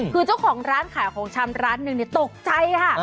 คือเจ้าของร้านขายของชำร้านหนึ่งตกใจค่ะ